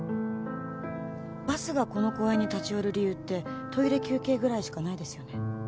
バスがこの公園に立ち寄る理由ってトイレ休憩ぐらいしかないですよね？